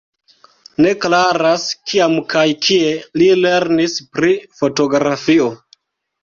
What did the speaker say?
Ne klaras, kiam kaj kie li lernis pri fotografio.